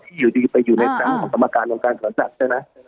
ที่อยู่ดีไปอยู่ในซ้ำของธรรมการองค์การสนสัตว์ใช่มั้ย